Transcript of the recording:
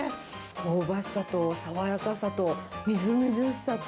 香ばしさと爽やかさとみずみずしさと。